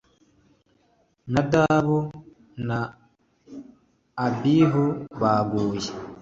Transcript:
Nadabu na Abihu baguye